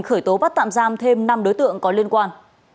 khởi tố bắt tạm giam thêm năm đối tượng có liên quan